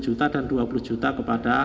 kemudian diberikan uang yang berbeda